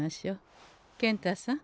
健太さん